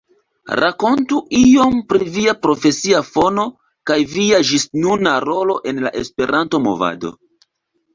Rakontu iom pri via profesia fono kaj via ĝisnuna rolo en la Esperanto-Movado!